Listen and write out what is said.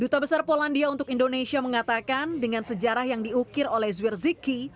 duta besar polandia untuk indonesia mengatakan dengan sejarah yang diukir oleh zwierzyki